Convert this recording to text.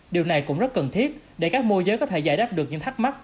điều này cũng rất cần thiết để các mô giới có thể giải đáp được những thắc mắc